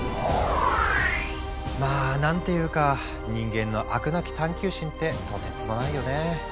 まあ何ていうか人間の飽くなき探求心ってとてつもないよね。